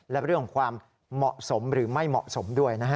และเรื่องของความเหมาะสมหรือไม่เหมาะสมด้วยนะฮะ